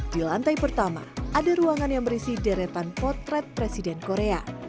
di lantai pertama ada ruangan yang berisi deretan potret presiden korea